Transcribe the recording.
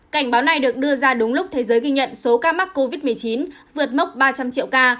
cảnh báo này được đưa ra đúng lúc thế giới ghi nhận số ca mắc covid một mươi chín vượt mốc ba trăm linh triệu ca